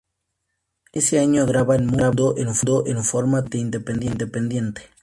Ese año graban "Mundo" en forma totalmente independiente.